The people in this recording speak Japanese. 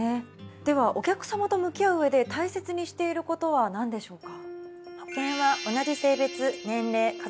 ではお客さまと向き合う上で大切にしていることは何でしょうか？